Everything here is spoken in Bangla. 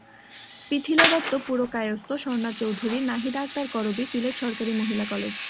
পৃথিলা দত্ত পুরকায়স্থ, স্বর্ণা চৌধুরী, নাহিদা আক্তার করবী, সিলেট সরকারি মহিলা কলেজ।